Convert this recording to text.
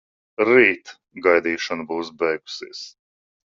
Rīt gaidīšana būs beigusies.